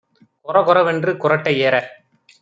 கொரகொர வென்று குறட்டை ஏற